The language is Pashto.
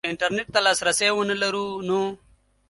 که انترنټ ته لاسرسی ونه لرو نو